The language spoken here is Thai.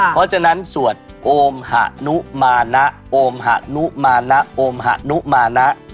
เพราะฉะนั้นสวดโอมหะนุมานะโอมหะนุมานะโอมหะนุมานะ